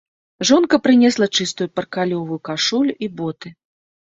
Жонка прынесла чыстую паркалёвую кашулю і боты.